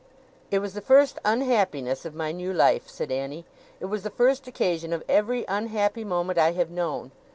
') 'It was the first unhappiness of my new life,' said Annie. 'It was the first occasion of every unhappy moment I have known.